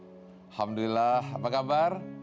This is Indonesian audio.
alhamdulillah apa kabar